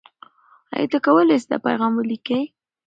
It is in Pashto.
آیا ته کولای سې دا پیغام ولیکې؟